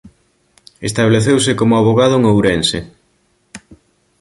Estableceuse como avogado en Ourense.